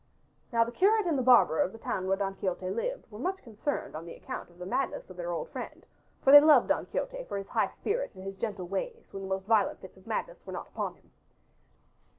Now the curate and the barber of the town where Don Quixote lived were much concerned on account of the madness of their old friend, for they loved Don Quixote for his high spirit and his gentle ways when the most violent fits of madness were not upon him.